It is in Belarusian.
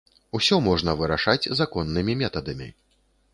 Усё можна вырашаць законнымі метадамі.